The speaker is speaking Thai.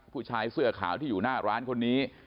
ผู้ชายเสื้อขาวที่อยู่หน้าร้านคนนี้